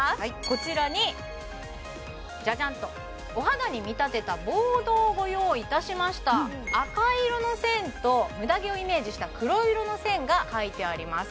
こちらにじゃじゃんとお肌に見立てたボードをご用意いたしました赤色の線とムダ毛をイメージした黒色の線が書いてあります